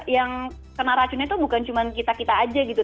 yang kena racunnya itu bukan cuma kita kita aja gitu